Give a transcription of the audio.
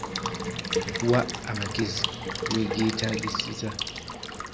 Wa amagezi we geetaagisiza.